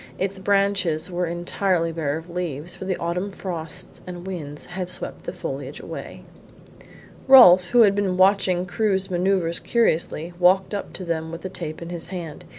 Its branches were entirely bare of leaves, for the autumn frosts and winds had swept the foliage away. Rolfe, who had been watching Crewe's manoeuvres curiously, walked up to them with the tape in his hand.